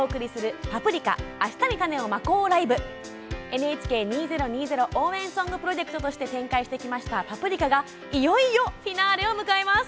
ＮＨＫ２０２０応援ソングプロジェクトとして展開してきた「パプリカ」がいよいよフィナーレを迎えます。